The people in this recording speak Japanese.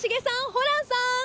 ホランさん！